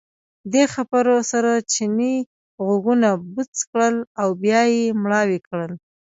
دې خبرو سره چیني غوږونه بوڅ کړل او بیا یې مړاوي کړل.